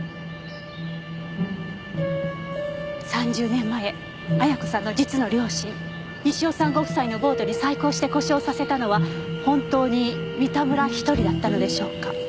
３０年前亜矢子さんの実の両親西尾さんご夫妻のボートに細工をして故障させたのは本当に三田村一人だったのでしょうか？